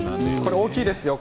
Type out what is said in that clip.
大きいですよ。